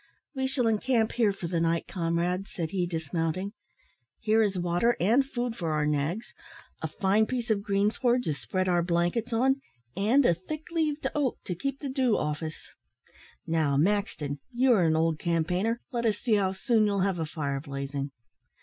"We shall encamp here for the night, comrades," said he, dismounting; "here is water and food for our nags, a fine piece of greensward to spread our blankets on, and a thick leaved oak to keep the dew off us. Now, Maxton, you are an old campaigner, let us see how soon you'll have a fire blazing."